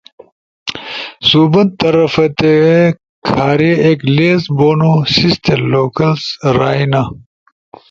سُوبن طرفتے کھارے ایک لسٹ بونو سیستے لوکلز رائینا۔